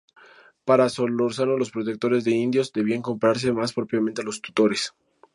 Para Solórzano los protectores de indios debían compararse más propiamente a los tutores.